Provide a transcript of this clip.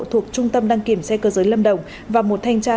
thuộc trung tâm đăng kiểm xe cơ giới lâm đồng và một thanh tra